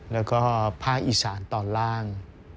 แล้วก็ภาคอีสานตอนล่าง